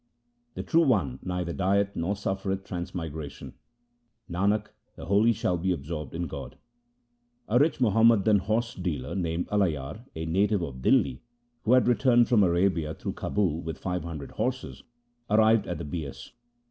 The True One neither dieth nor suffereth transmigration. Nanak, the holy shall be absorbed in God. 1 A rich Muhammadan horse dealer named Alayar, a native of Dihli, who had returned from Arabia through Kabul with five hundred horses, arrived at the Bias.